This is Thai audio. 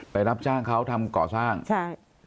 รับจ้างเขาทำก่อสร้างใช่